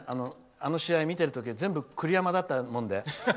あの試合を見てる時は全部、栗山だったもので。